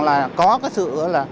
là có cái sự